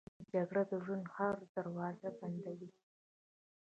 جګړه د ژوند هره دروازه بندوي